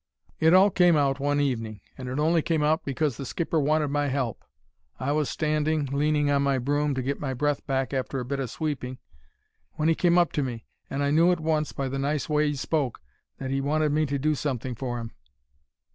"It all came out one evening, and it only came out because the skipper wanted my help. I was standing leaning on my broom to get my breath back arter a bit o' sweeping, when he came up to me, and I knew at once, by the nice way 'e spoke, that he wanted me to do something for 'im.